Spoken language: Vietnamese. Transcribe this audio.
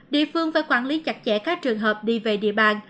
địa phương phải quản lý chặt chẽ các trường hợp đi về địa bàn